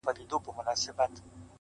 سياسي نقد ته بيايي,